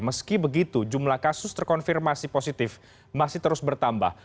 meski begitu jumlah kasus terkonfirmasi positif masih terus bertambah